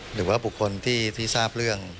หรือว่าบุคคลที่ทราบเรื่อง